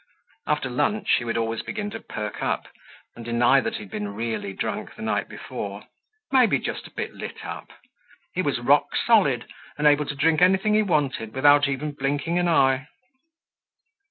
After lunch he would always begin to perk up and deny that he had been really drunk the night before. Maybe just a bit lit up. He was rock solid and able to drink anything he wanted without even blinking an eye.